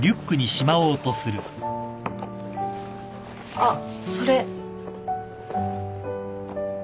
あっそれ。